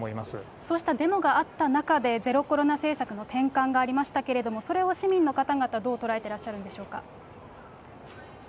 そうしたデモがあった中で、ゼロコロナ政策の転換がありましたけれども、それを市民の方々、どう捉えてらっしゃるんでしょうか。